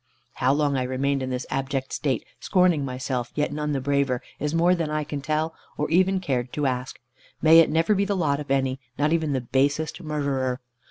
How long I remained in this abject state, scorning myself, yet none the braver, is more than I can tell, or even cared to ask. May it never be the lot of any, not even the basest murderer!